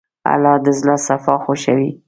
الله د زړه صفا خوښوي.